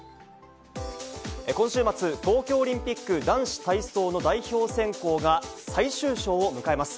今週末、東京オリンピック男子体操の代表選考が最終章を迎えます。